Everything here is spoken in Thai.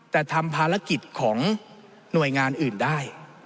แต่ทำภารกิจของหน่วยงานอื่นได้